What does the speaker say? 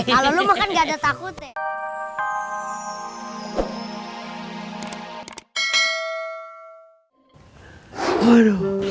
kalau lo makan gak ada takut ya